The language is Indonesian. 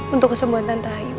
untuk kesembuhan tante ayu